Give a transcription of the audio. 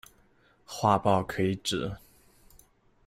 画报可以指：